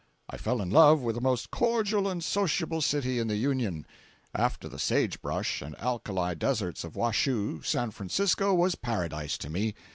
I fell in love with the most cordial and sociable city in the Union. After the sage brush and alkali deserts of Washoe, San Francisco was Paradise to me.